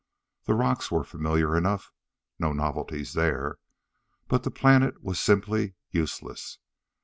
The rocks were familiar enough. No novelties there! But the planet was simply useless.